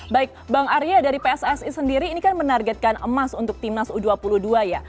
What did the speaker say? baik bang arya dari pssi sendiri ini kan menargetkan emas untuk timnas u dua puluh dua ya